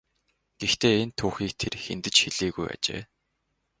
Гэхдээ энэ түүхийг тэр хэнд ч хэлээгүй ажээ.